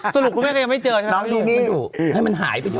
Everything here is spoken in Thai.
สรุปคุณแม่ก็ยังไม่เจอนะน้องปี่ดูไม่ดูให้มันหายไปเยอะ